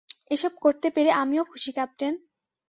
এসব করতে পেরে আমিও খুশি, ক্যাপ্টেন।